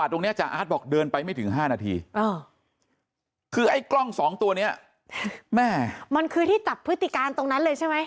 ติการตรงนั้นเลยใช่ไหม